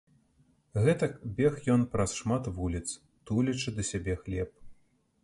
Гэтак бег ён праз шмат вуліц, тулячы да сябе хлеб.